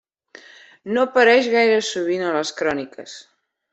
No apareix gaire sovint a les cròniques.